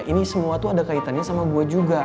ini semua tuh ada kaitannya sama gue juga